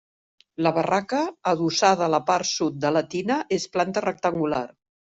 La barraca, adossada a la part sud de la tina és planta rectangular.